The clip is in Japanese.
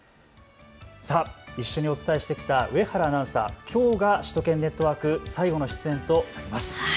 一緒にお伝えしてきた上原アナウンサー、きょうが首都圏ネットワーク、最後の出演となります。